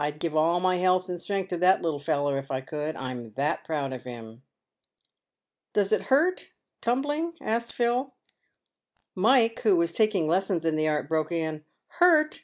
I'd give all my health and strength to that little feller if I could, I'm that proud of him." " Does it hurt, tumbling ?" asked Phil. Mike, who was taking lessons in the art, broke in, " Hurt